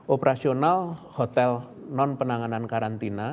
operasional hotel non penanganan karantina